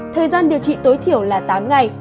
thời gian điều trị tối thiểu là tám ngày